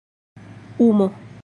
umo